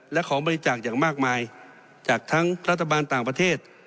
และของบริจาคอย่างมากมายจากทั้งรัฐบาลต่างประเทศ